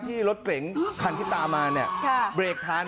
รถเก๋งคันที่ตามมาเนี่ยเบรกทัน